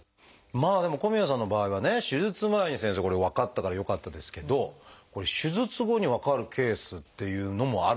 まあでも小宮さんの場合はね手術前に先生これ分かったからよかったですけど手術後に分かるケースっていうのもあるんですか？